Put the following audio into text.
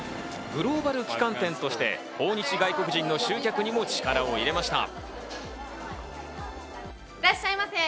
グローバル旗艦店として訪日外国人の集客にも力を入れました。